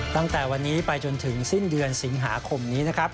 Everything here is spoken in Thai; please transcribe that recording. ตั้งแต่วันนี้ไปจนถึงสิ้นเดือนสิงหาคมนี้นะครับ